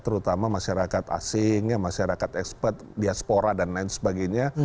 terutama masyarakat asing masyarakat ekspert diaspora dan lain sebagainya